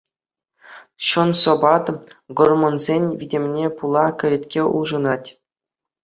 Сӑн-сӑпат, гормонсен витӗмне пула кӗлетке улшӑнать.